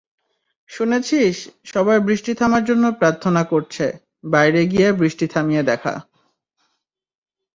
শুনেছিস, সবাই বৃষ্টি থামার জন্য প্রার্থনা করছে, বাইরে গিয়ে বৃষ্টি থামিয়ে দেখা।